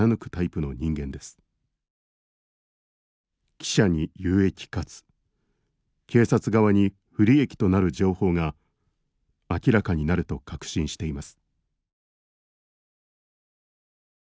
「貴社に有益かつ警察側に不利益となる情報が明らかになると確信しています」。